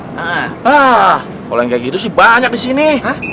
nah kalau nggak gitu sih banyak di sini